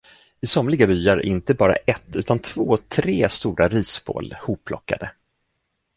I somliga byar är inte bara ett, utan två, tre stora risbål hopplockade.